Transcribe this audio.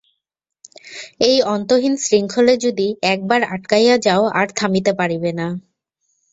এই অন্তহীন শৃঙ্খলে যদি একবার আটকাইয়া যাও, আর থামিতে পারিবে না।